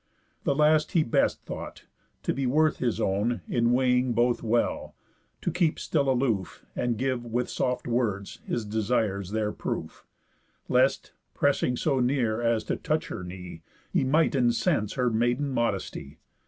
The last he best thought, to be worth his own, In weighing both well; to keep still aloof, And give with soft words his desires their proof, Lest, pressing so near as to touch her knee, He might incense her maiden modesty.